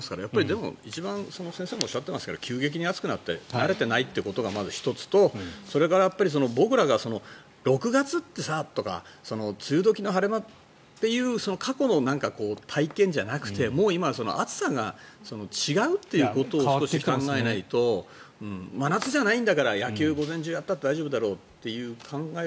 でも先生もおっしゃっていますが急激に暑くなって慣れていないということがまず１つとそれから僕らが６月ってさとか梅雨時の晴れ間という過去の体験じゃなくてもう今、暑さが違うっていうことを考えないと真夏じゃないんだから野球を午前中やったって大丈夫だろうという考え